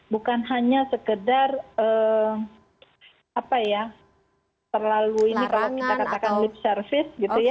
bukan hanya sekedar terlalu ini kalau kita katakan lip service